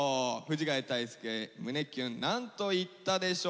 藤ヶ谷太輔胸キュン何と言ったでしょうか？